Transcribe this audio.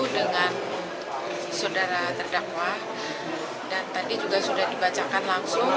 dengan saudara terdakwa dan tadi juga sudah dibacakan langsung